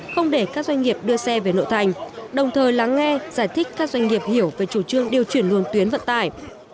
không để các doanh nghiệp đưa xe về nội thành đồng thời lắng nghe giải thích các doanh nghiệp hiểu về chủ trương điều chuyển luồng tuyến vận tải